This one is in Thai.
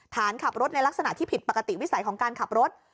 ฐานขับรถในลักษณะที่ผิดปกติวิสัยของการขับรถ